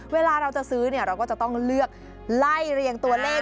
เวลาเราจะซื้อเราก็จะต้องเลือกไล่เรียงตัวเลข